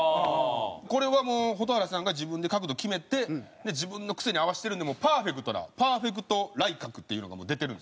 これはもう蛍原さんが自分で角度決めて自分の癖に合わせているのでもうパーフェクトなパーフェクトライ角っていうのが出てるんですよ